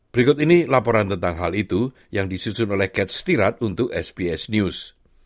berikut ini laporan tentang hal itu yang disusun oleh kat stirat untuk sbs news